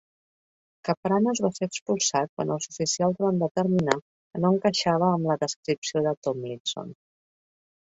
Kapranos va ser expulsat quan els oficials van determinar que no encaixava amb la descripció de Tomlinson.